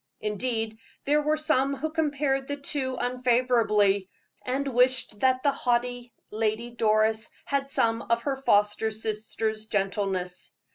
Indeed, there were some who compared the two unfavorably, and wished that the haughty Lady Doris had some of her foster sister's gentleness.